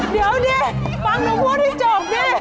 เดี๋ยวดิฟังหนูพูดให้จบดิ